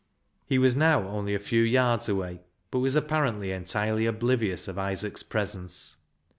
He was now only a few yards away, but was apparently entirely oblivious of Isaac's presence.